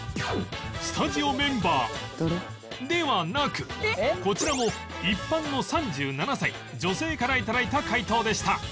スタジオメンバーではなくこちらも一般の３７歳女性から頂いた回答でした